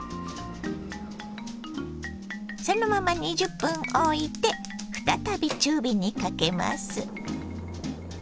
そのまま２０分おいて再び中火にかけます。